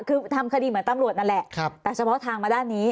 คือทำคดีเหมือนตำรวจนั่นแหละแต่เฉพาะทางมาด้านนี้